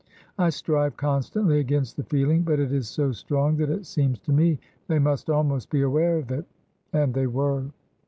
I strive constantly against the feeling, but it is so strong that it seems to me they must almost be aware of it. [And they were.